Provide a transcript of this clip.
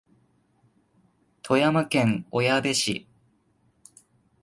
富山県小矢部市